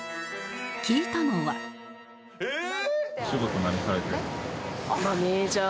聞いたのはええーっ！？